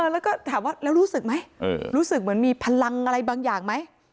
แล้วก็ถามว่าแล้วรู้สึกไหมรู้สึกเหมือนมีพลังอะไรบางอย่างไหม